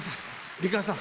美川さん